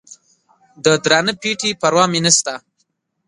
د درانه پېټي پروا مې نسته.